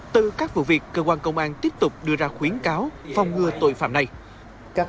từ các vụ việc cơ quan công an tiếp tục đưa ra khuyến cáo phòng ngừa tội phạm này